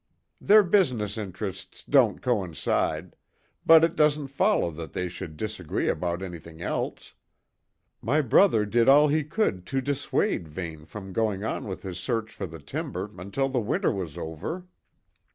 "Their business interests don't coincide; but it doesn't follow that they should disagree about anything else. My brother did all he could to dissuade Vane from going on with his search for the timber until the winter was over."